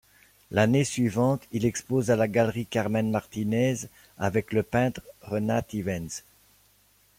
L'année suivante, il expose à la galerie Carmen Martinez avec le peintre Renaat Ivens.